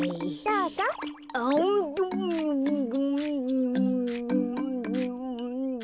うん？